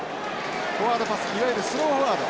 フォワードパスいわゆるスローフォワード。